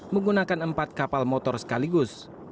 menggunakan empat kapal motor sekaligus